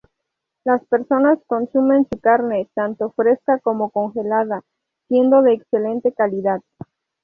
Las personas consumen su carne, tanto fresca como congelada, siendo de excelente calidad.